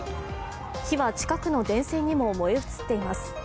火は近くの電線にも燃え移っています。